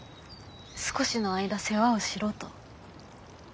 少しの間世話をしろと。